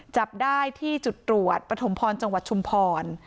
จับได้ที่จุดตรวจปฐมพรจังหวัดชุมพร